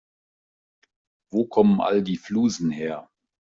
Wo kommen all die Flusen her?